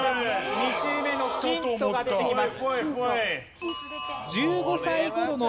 ２周目のヒントが出てきます。